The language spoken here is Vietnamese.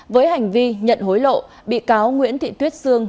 với hành vi nhận hối lộ bị cáo nguyễn thị tuyết sương